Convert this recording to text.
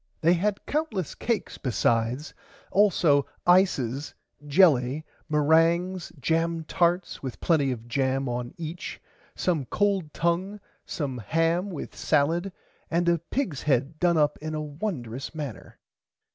They had countless cakes besides also ices jelly merangs jam tarts with plenty of jam on each some cold tongue some ham with salid and a pig's head done up in a wondrous manner.